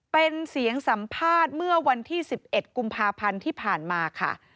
เป็นเสียงสัมภาษณ์เมื่อวันที่๑๑กุมภาพันธ์ที่ผ่านมาค่ะ